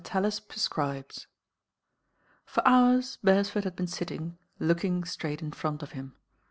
TALLIS PRESCRIBES FOR hours Bcresford had been sitting looking straight in front of him.